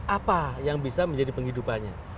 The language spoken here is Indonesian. apa yang bisa menjadi penghidupannya